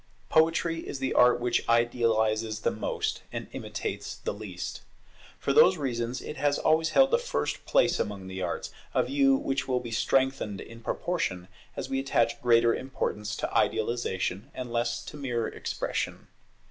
Poetry is the art which idealizes the most, and imitates the least. For these reasons it has always held the first place among the arts; a view which will be strengthened in proportion as we attach greater importance to idealization and less to mere expression.